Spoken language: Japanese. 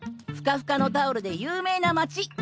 ふかふかのタオルで有名な街。